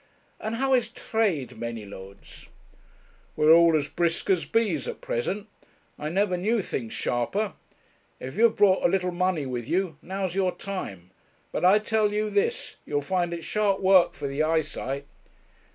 And how is trade, Manylodes?' 'We're all as brisk as bees at present. I never knew things sharper. If you've brought a little money with you, now's your time. But I tell you this, you'll find it sharp work for the eyesight.'